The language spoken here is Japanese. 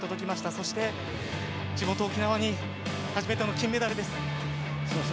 そして地元・沖縄に初めての金メダルです。